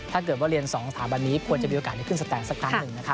ถ้าเกิดว่าเรียน๒สถาบันนี้ควรจะมีโอกาสได้ขึ้นสแตนสักครั้งหนึ่ง